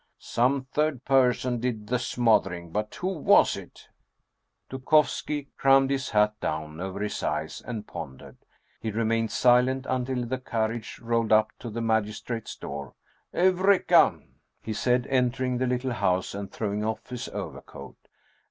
Some third person did the smother ing ; but who was it ?" Dukovski crammed his hat down over his eyes and pon dered. He remained silent until the carriage rolled up to the magistrate's door. " Eureka !" he said, entering the little house and throw ing off his overcoat.